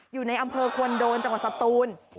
อยู่ในอำเภอควรโดนจังหวัดสตูน